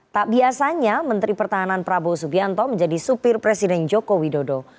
tak biasanya menteri pertahanan prabowo subianto menjadi supir presiden joko widodo